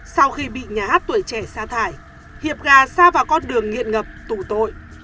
sau khi bị nhà hát tuổi trẻ sa thải hiệp gà xa vào con đường nghiện ngập tù tội